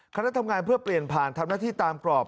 คณะทำงานเพื่อเปลี่ยนผ่านทำหน้าที่ตามกรอบ